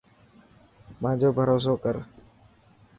مانجو ڀروسو ڪر.